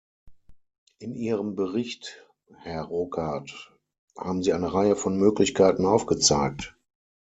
In Ihrem Bericht, Herr Rocard, haben Sie eine Reihe von Möglichkeiten aufgezeigt.